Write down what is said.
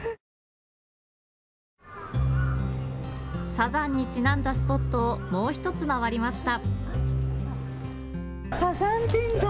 サザンにちなんだスポットをもう１つ回りました。